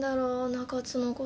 中津のこと。